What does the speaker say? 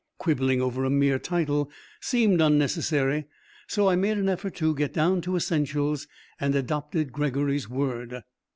Quibbling over a mere title seemed unnecessary, so I made an effort to get down to essentials and adopted Gregory's word.